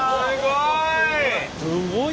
すごい！